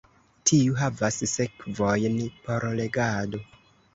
Tiu havas sekvojn por legado.